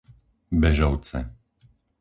Bežovce